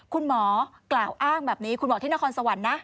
คุณหมอกล่าวอ้างแบบนี้คุณหมอที่นครสวรรค์นะ